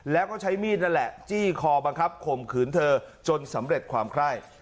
แล้วก็ใช้มีดนั่นแหละจี้คอบังคับข่มขืนเธอจนสำเร็จความไคร่